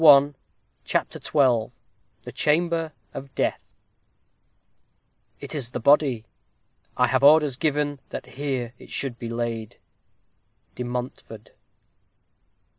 CHAPTER XII THE CHAMBER OF DEATH It is the body I have orders given That here it should be laid. _De Montfort.